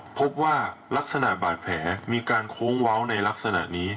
พบว่าลักษณะบาดแผลมีการโค้งเว้าในลักษณะนี้